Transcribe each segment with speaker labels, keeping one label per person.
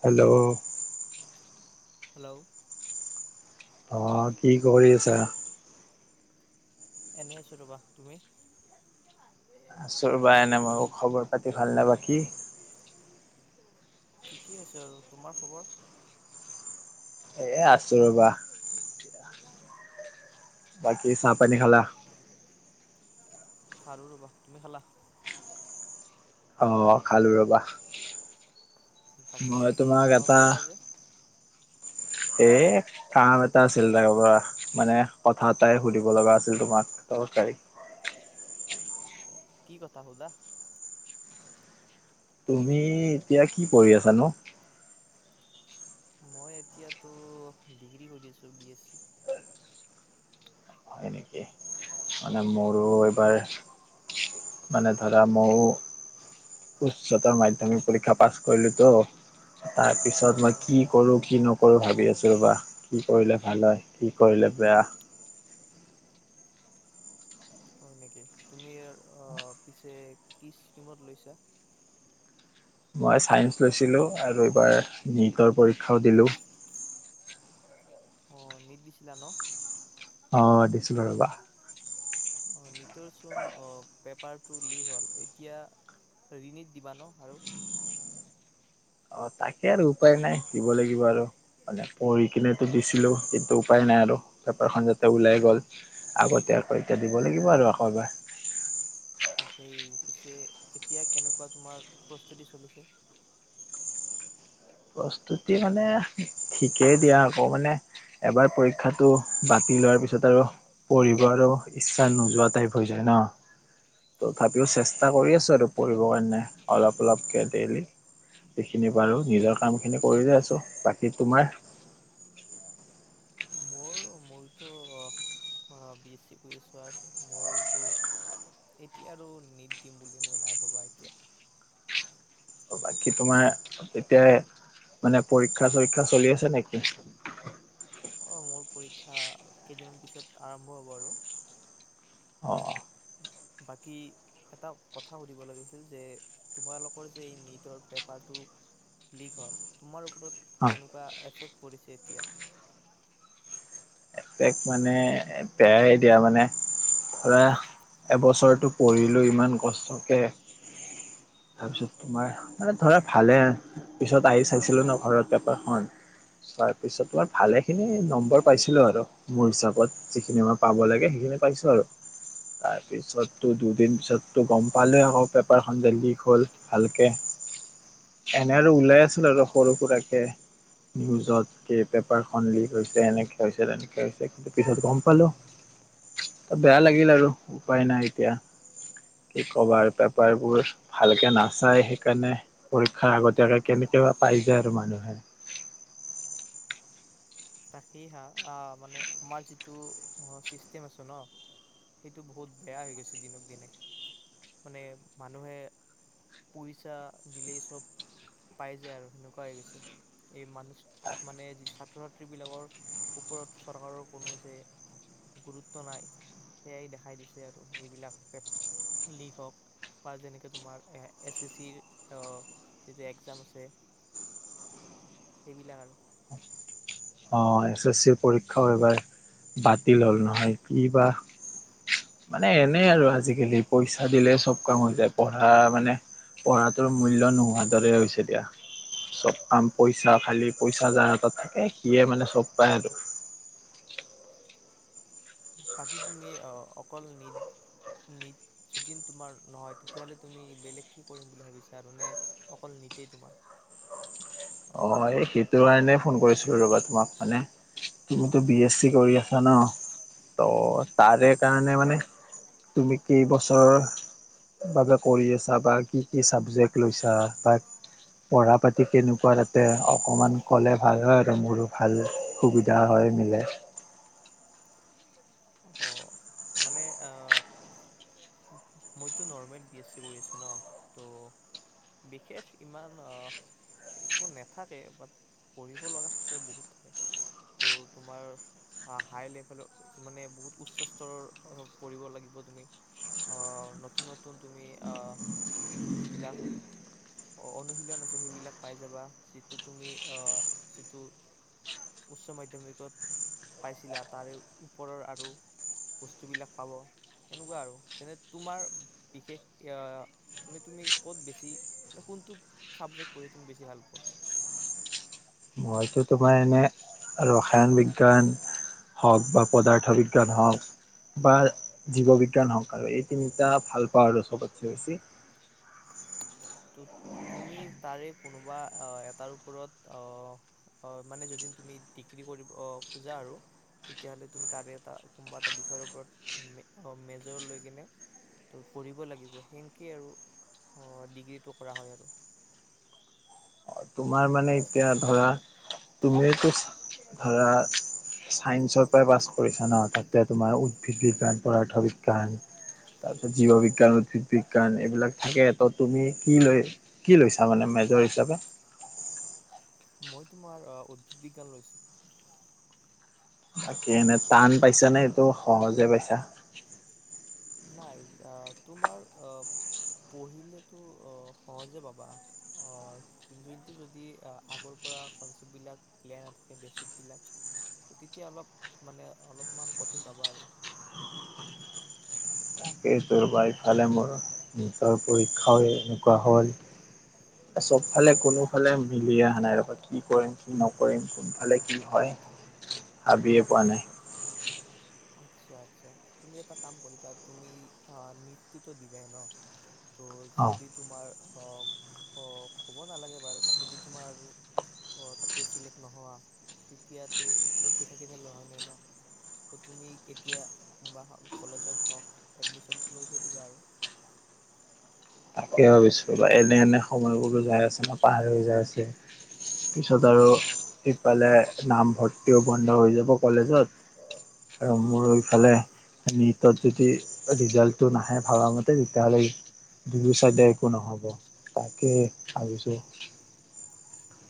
Speaker 1: Hello.
Speaker 2: Hello.
Speaker 1: অ কি কৰি আছা?
Speaker 2: এনেই আছো ৰবা, তুমি?
Speaker 1: আছোঁ ৰবা এনে ময়ো খবৰ পাতি ভালনে বাকী?
Speaker 2: ঠিকেই আছে আৰু তোমাৰ খবৰ?
Speaker 1: এই আছোঁ ৰ'বা।
Speaker 2: ল [inaudible]
Speaker 1: যি তাপ।।
Speaker 2: অ। [inaudible] খালো ৰবা তুমি খালা?
Speaker 1: অঁ খালোঁ ৰবা।
Speaker 2: বাকী
Speaker 1: মই
Speaker 2: আজি
Speaker 1: তোমাক
Speaker 2: মনত
Speaker 1: এটা
Speaker 2: কৰিলা যে?
Speaker 1: এ কাম এ এটা আছিল তাৰ পৰা মানে, কথা এটাই সুধিব লগা আছিল তোমাক দৰকাৰী।
Speaker 2: অ' কি কথা সোধা?
Speaker 1: তুমি এতিয়া কি পঢ়ি আছানো?
Speaker 2: মই এতিয়াটো ডিগ্ৰী কৰি আছো বি এছ চি।
Speaker 1: হয় নেকি মানে মোৰো
Speaker 2: অঁ
Speaker 1: এইবাৰ মানে ধৰা মইও উচ্চতৰ মাধ্যমিক পৰীক্ষা পাছ কৰিলো তো তাৰ পিছত পিছত মই
Speaker 2: অঁ
Speaker 1: কি কৰো কি নকৰো ত'ভাবি আছোঁ ৰ'বা কি কৰিলে ভাল হয়? কি কৰিলে বেয়া।
Speaker 2: হয় নেকি? তুমি পিছে কি ষ্টিমত লৈছা?
Speaker 1: মই চাইন্স লৈছিলো আৰু এইবাৰ নীটৰ পৰীক্ষাও দিলো।
Speaker 2: অ', নীট দিছিলা ন?
Speaker 1: অ', দিছিলো ৰবা।
Speaker 2: অ' নীটৰচোন অ' পেপাৰটো লিক হ'ল। এতিয়া ৰিণিত দিবা ন আৰু?
Speaker 1: অ' তাকে আৰু উপায় নাই দিব লাগিব আৰু মানে পঢ়ি কিনেতো দিছিলো কিন্তু উপায় নাই আৰু পেপাৰখন যাতে ওলাই গ'ল আগতে আকৌ এতিয়া দিব লাগিব আৰু আকৌ এবাৰ।
Speaker 2: তাকেই পিছে এতিয়া কেনেকুৱা তোমাৰ প্ৰস্তুতি চলিছে?
Speaker 1: প্ৰস্তুতি মানে ঠিকেই দিয়া আকৌ মানে এবাৰ পৰীক্ষাটো বাতি হোৱাৰ পিছত আৰু পঢ়িব আৰু ইচ্ছা নোযোৱা টাইপ হৈ যায় ন, তথাপিও চেষ্টা কৰি আছো আৰু পঢ়িব কাৰণে অলপ-অলপকে ডেইলি যিখিনি পাৰো নিজৰ। কামখিনি কৰি যায় আছো, বাকী তোমাৰ?
Speaker 2: মোৰ, মইতো বি এছ চি কৰি আছো আৰু মোৰতো এতিয়া আৰু নিদ দিম বুলি মই নাই ভবা এতিয়া।
Speaker 1: বাকী তোমাৰ এতিয়া মানে পৰীক্ষা-চৰীক্ষা চলি আছে নেকি?
Speaker 2: অ' মোৰ পৰীক্ষা কেইদিনমান পিছত আৰম্ভ হ'ব আৰু।
Speaker 1: অহ',
Speaker 2: বাকী এটা কথা সুধিব লাগছিল যে, তোমালোকৰ যে এই নীটৰ পেপাৰটো লীক হল। তোমাৰ ওপৰত কেনেকুৱা এফেক্ট পৰিছে এতিয়া?
Speaker 1: এফেক্ট মানে বেয়াই দিয়া মানে। ধৰা এবছৰটো পঢ়িলো ইমান কষ্টকে, তাৰ পিছত তোমাৰ মানে ধৰা ভালে, পিছত আহি চাইছিলো ন ঘৰত পেপাৰখন, চাই পিছত তোমাৰ ভালে খিনি নম্বৰ পাইছিলো আৰু। মোৰ হিচাপত যিখিনি মই পাব লাগে, সেইখিনি পাইছো আৰু তাৰপিছততো দুদিন পিছততো গম পালে আকৌ পেপাৰখন যে লীক হল ভালকে, এনে আৰু ওলাই আছিল আৰু সৰু-সুৰাকে নিউজত, কি পেপাৰখন লীক হৈছে এনেকে হৈছে তেনেক কিন্তু পিছত গম পালো, বেয়া লাগিল আৰু উপায় নাই এতিয়া কি কবা আৰু পেপাৰবোৰ ভালকে নাচাই, সেইকাৰণে পৰীক্ষাৰ আগতীয়াকে কেনেকে পাই যায় আৰু মানুহে।
Speaker 2: তাকেই হা আহ মানে আমাৰ যিটো চিষ্টেম আছে ন, সেইটো বহুত বেয়া হৈ গৈছে। দিনক দিনে মানে মানুহে পইচা দিলেই চব পাই যায় আৰু সেনেকুৱা হৈ গৈছে এই মানুহ চ মানে ছাত্ৰ-ছাত্ৰী, ছাত্ৰীবিলাকৰ ওপৰত চৰকাৰৰ কোনো যে গুৰুত্ব নাই। সেয়াই দেখাই দিছে আৰু এইবিলাক পেপাৰ লীক হওক বা যেনেকে তোমাৰ এছ এছ চিৰ আহ যিটো এক্সাম আছে সেইবিলাক আৰু
Speaker 1: অ' এছ এছ চিৰ পৰীক্ষাও এইবাৰ বাতিল হল নহয়, কিবা মানে এনে আৰু আজিকালি পইচা দিলে চব কাম হৈ যায়, পঢ়া মানে পঢ়াটোৰ মূল্য নোহোৱাৰ দৰে হৈছে দিয়া। চব কাম পইচা খালি পইচা যাৰ হাতত থাকে সিয়ে মানে চব পায় আৰু।
Speaker 2: বাকী তুমি অ অকল নীট-নীট যদি তোমাৰ নহয় তেতিয়াাহলে তুমি বেলেগ কি কৰিম বুলি ভাবিছা আৰু নে অকল নীটেই তোমাৰ?
Speaker 1: অ' এই সেইটো কাৰণে ফোন কৰিছিলোঁ ৰ'বা। তোমাক মানে, তুমিতো বি এছ চি কৰি আছা ন, তহ' তাৰে কাৰণে মানে তুমি কেইবছৰৰ বাবে কৰি আছা বা কি-কি চাবজেক্ট লৈছা? বা পঢ়া পাতি কেনেকুৱা? তা অকণমান ক'লে ভাল হয় আৰু মোৰো ভাল সুবিধা হয় মিলে।
Speaker 2: অ' মানে এ মইতো নৰ্মেল বি এছ চি কৰি আছো ন, তহ বিশেষ ইমান একো নেথাকে, বাত পঢ়িব লগা থাকে বহুত থাকে, তহ তোমাৰ হাই লেভেল মানে বহুত উচ্চস্তৰৰ পঢ়িব লাগিব তুমি, আহ নতুন-নতুন তুমি অ' যিবিলাক অনুশীলন আছে সেইবিলাক পাই যাবা। যিটো তুমি অ' যিটো উচ্চমাধ্যমিকত পাইছিলা তাৰে ওপৰৰ আৰু বস্তুবিলাক পাব সেনেকুৱা আৰু যেনে তোমাৰ বিশেষ, মানে তুমি ক'ত বেছি কোনটো চাবজেক্ট পঢ়ি তুমি বেছি ভাল পোৱা?
Speaker 1: মইতো তোমাৰ এনে আৰু ৰাসায়ন বিজ্ঞান, হওঁক বা পদাৰ্থবিজ্ঞান হওঁক বা জীৱবিজ্ঞান হওঁক আৰু এই তিনিটা ভালপাওঁ আৰু চবতছে বেছি।
Speaker 2: ত' তুমি তাৰে কোনোবা এটাৰ ওপৰত অহ মানে, যদি তুমি ডিগ্ৰী কৰিব খোজা আৰু তেতিয়া হ'লে তুমি তাৰে এটা কোনোবা এটা বিষয়ৰ ওপৰত মেজৰ লৈ কিনে তহ পঢ়িব লাগিব। সেনেকেইে আৰু অহ ডিগ্ৰীত কৰা হয় আৰু।
Speaker 1: তোমাৰ মানে এতিয়া ধৰা তুমিয়েটো ধৰা চাইন্ঞ্চৰ পৰাই পাছ কৰিছা ন, তাতে তোমাৰ উদ্ভিদ বিজ্ঞান, পদাৰ্থ বিজ্ঞান, তাৰপিছত জীৱ বিজ্ঞান, উদ্ভিদ বিজ্ঞান এইবিলাক থাকে। ত তুমি কি লৈ কি লৈছা মানে মেজৰ হিচাপে
Speaker 2: মই তোমাৰ উদ্ভিদ বিজ্ঞান লৈছো
Speaker 1: বাকী এনে টান পাইছা নে এইটো সহজে পাইছা?
Speaker 2: নাই তোমাৰ অ পঢ়িলেতো সহজে পাবা, অ কিন্তু যদি আগৰ পৰা কনচেপ্টবিলাক ক্লিয়াৰ নাথাকে বেচ বিলাক তেতিয়া অলপ মানে অলপমান কঠিন পাবা আৰু
Speaker 1: তাকেই তোৰ বা ইফালে মোৰ নিতৰ পৰীক্ষাও এনেকুৱা হল, চবফালে কোনোফালে মিলি অহা নাই ৰবা কি কৰিম কি নকৰিম কোনফালে কি হয় ভাবিয়ে পোৱা নাই
Speaker 2: আচ্ছা আচ্ছা তুমি এটা কাম কৰিবা তুমি নীত তো ত দিবাই ন ত'
Speaker 1: অ
Speaker 2: যদি তোমাৰ অ অ হ'ব নালাগে বাৰু যদি তোমাৰ আৰু অ তাতে চিলেক্ নহোৱা তেতিয়াতো ৰখি থাকি লাভ নাই ন তুমি এতিয়া কোনোবাখন কলেজত হওক এডমিশ্যন তো লৈ থৈ দিবা আৰু
Speaker 1: তাকে ভাবিছোঁ বা এনে এনে সময়বোৰো যাই আছে ন পাৰ হৈ যাই আছে পিছত আৰু
Speaker 2: অঁ
Speaker 1: ইফালে নামভৰ্তিও বন্ধ হৈ যাব কলেজত, আৰু মোৰ এইফালে নীটত যদি ৰিজাল্টটো নাহে ভাবামতে তেতিয়াহ'লে দুয়ো চাইডে একো নহ'ব। ‌তাকে ভাবিছো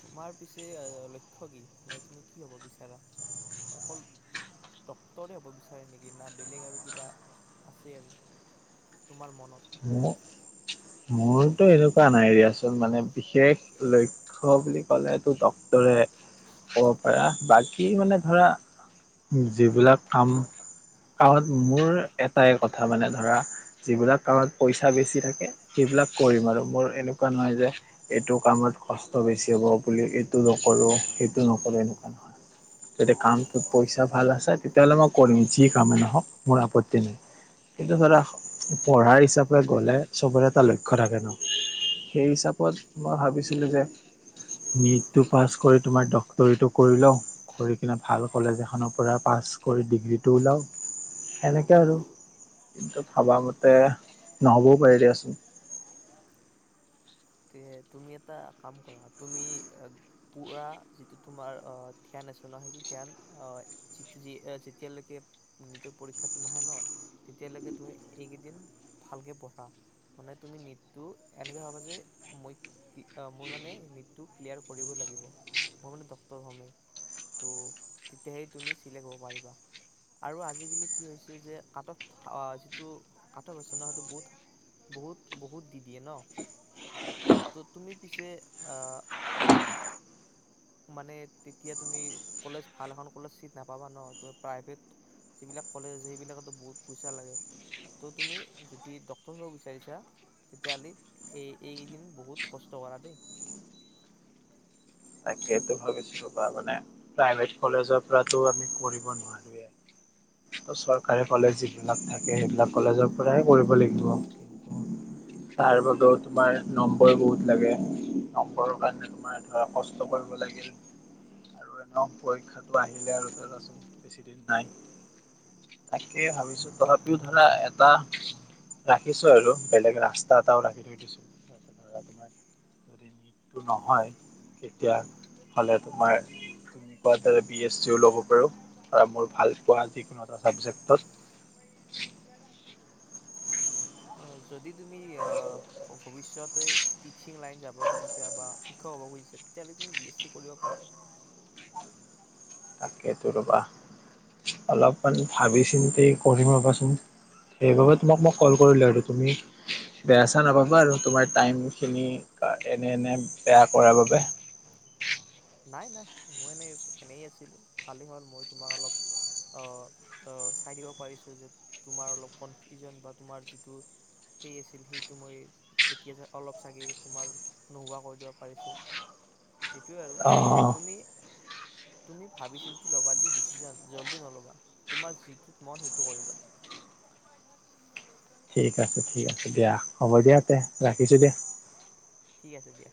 Speaker 2: তোমাৰ পিছে লক্ষ্য কি? মে তুমি কি হ'ব বিচাৰা? অকল ডক্তৰে হ'ব বিচাৰে নেকি না বেলেগ আৰু কিবা আছে আৰু তোমাৰ মনত
Speaker 1: মোৰ মোৰতো এনেকুৱা নাই দিয়াচোন, মানে বিশেষ লক্ষ্য বুলি কলে তো ডক্তৰে ক'ব পাৰা, বাকী মানে ধৰা যিবিলাক কাম কাৰণ মোৰ এটাই কথা মানে ধৰা যিবিলাক কামত পইচা বেছি থাকে সেইবিলাক কৰিম আৰু মোৰ এনেকুৱা নহয় যে এইটো কামত কষ্ট বেছি হ'ব বুলি এইটো নকৰোঁ, সেইটো নকৰোঁ, এনেকুৱা নহয়, যদি কামটোত পইচা ভাল আছে তেতিয়াহ'লে মই কৰিম, যি কামে নহওক মোৰ আপত্তি নাই, কিন্তু ধৰা পঢ়াৰ হিচাপে গ'লে চবৰে এটা লক্ষ্য থাকে ন? সেই হিচাপত মই ভাবিছোঁ নীতটো পাছ কৰি তোমাৰ ডাক্তৰি তো কৰি লও, কৰি কিনে ভাল কলেজ এখনৰ পৰা পাছ কৰি ডিগ্ৰীটো ওলাও আৰু, কিন্তু ভবা মতে নহ'বও পাৰে দিয়াচোন
Speaker 2: তে তুমি এটা কাম কৰা, তুমি পুৰা যিটো তোমাৰ আহ ধ্যান আছ ন, সেইটো ধ্যান, আহ যি যেতিয়ালৈকে নিজৰ পৰীক্ষাটো নাহে ন তেতিয়ালৈকে তুমি এইকেইদিন ভালকে পঢ়া, মানে তুমি নীটটো এনেকে ভাবা যে মই মই মানে নীটটো ক্লিয়াৰ কৰিব লাগিব। মই মানে ডক্টৰ হয়েই, ত তেতিয়াহে তুমি চিলেক্ট হ'ব পাৰিবা। আৰু আজিকালি কি হৈছে যে [unintelligible] মানে তেতিয়া তুমি কলেজ ভাল এখন কলেজ চিট নাপাবা ন, তুমি প্ৰাইভেট যিবিলাক কলেজ আছে সেইবিলাকো বহুত পইচা লাগে ত তুমি যদি ডাক্তৰ কৰিব বিচাৰিছা, তেতিয়াহলে এই এইকেইদিন বহুত কষ্ট কৰা দেই
Speaker 1: তাকেই তো ভাবিছো, বা মানে প্ৰাইভেট কলেজৰ পৰাতো আমি কৰিব নোৱাৰোৱে, ত চৰকাৰী কলেজ যিবিলাক থাকে সেইবিলাক কলেজৰ পৰাই কৰিব লাগিব, তাৰ বাবেও তোমাৰ নম্বৰ বহুত লাগে নম্বৰৰ কাৰণে তোমাৰ কৰিব লাগিল, আৰু এনেও পৰীক্ষাটো আহিলে আৰু ধৰাচোন বেছি দিন নাই, তাকে ভাবিছো তথাপিও ধৰা এটা ৰাখিছো আৰু বেলেগ ৰাস্তা এটাও ৰাখি থৈ দিছো। তোমাৰ যদি টো নহয় তেতিয়া হ'লে তোমাৰ তুমি কোৱা বি এছ চিও ল'ব পাৰোঁ, আৰু মোৰ ভাল পোৱা যিকোনো এটা ছাবজেক্টত
Speaker 2: অ যদি তুমি আহ ভৱিষ্যতে টিচিং লাইন যাব খুজিছা বা শিক্ষক হ'ব খুজিছে, তেতিয়াহলে তুমি বি এছ চি কৰিব পাৰা
Speaker 1: সেইটো ৰবা অলপমান ভাবি চিন্তি কৰিম ৰ'বাচোন, সেইবাবে তোমাক মই কল কৰিলোঁ আৰু তুমি বেয়া চা নাপাবা আৰু তোমাৰ টাইমখিনি বা এনে এনে বেয়া কৰাৰ বাবে
Speaker 2: নাই নাই মই এনেই এনেই আছিলো, ভালেই হ'ল মই তোমাক অলপ আহ চাই দিব পাৰিছো যে তোমাৰ অলপ কনফিউজন বা তোমাৰ যিটো সেই আছিল সেইটো মই এতিয়া অলপ চাগে তোমাৰ নোহোৱা কৰি দিব পাৰিছো সেইটোৱে আৰু,
Speaker 1: অ
Speaker 2: তুমি তুমি ভাবি চিন্তি ল'বা দেই দিছিচন জলদি নল'বা, তোমাৰ যি মন সেইটো কৰিবা
Speaker 1: ঠিক আছে ঠিক আছে দিয়া, হ'ব দিয়া তে ৰাখিছোঁ দিয়া
Speaker 2: ঠিক আছে দিয়া।